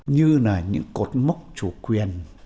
như là những cột mốc chủ quyền